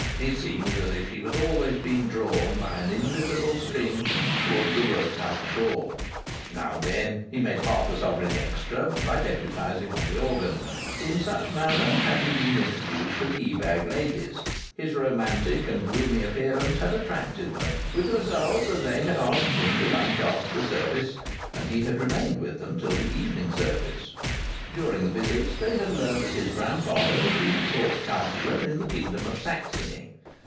It seemed as if he was always being drawn by an invisible string towards the workhouse door. Now and then he made half a sovereign extra by deputizing on the organ. In such manner had he been introduced to the Ebag ladies. His romantic and gloomy appearance had attracted them, with the result that they had asked him to lunch after the service, and he had remained with them till the evening service. During the visit they had learnt that his grandfather had been Court Councillor in the Kingdom of Saxony.